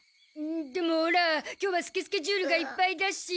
でもオラ今日はスケスケジュールがいっぱいだし。